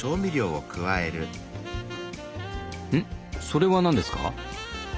それは何ですか？